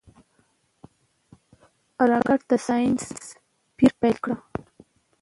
راکټ د ساینس پېر پيل کړ